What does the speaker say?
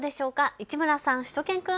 市村さん、しゅと犬くん。